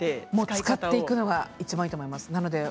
使っていくのがいちばんいいと思います。